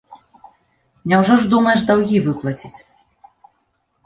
Няўжо ж думаеш даўгі выплаціць?